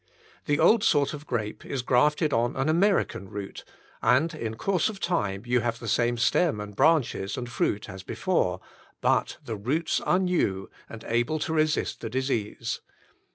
The old sort of grape is grafted on an American root, and in course of 5 6 Preface time you have the same stem and branches and fruit as before; But the Eoots are New and able to resist the disease.